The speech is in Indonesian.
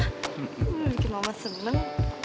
bikin mama seneng